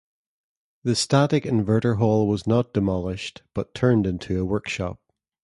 The static inverter hall was not demolished, but turned into a workshop.